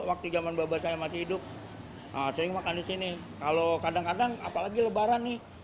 waktu zaman bapak saya masih hidup sering makan di sini kalau kadang kadang apalagi lebaran nih